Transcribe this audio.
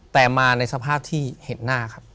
แต่มาในสภาพที่เห็นหน้าครับ